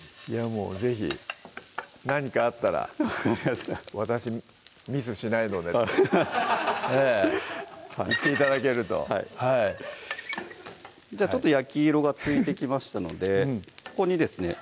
もう是非何かあったら「私ミスしないので」って言って頂けるとはいちょっと焼き色がついてきましたのでここにですね